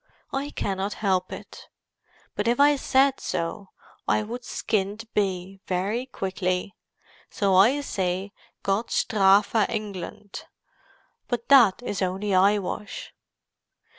I cannot help it. But if I said so, I would skinned be, very quickly. So I say 'Gott Strafe England!' But that is only eyewash!"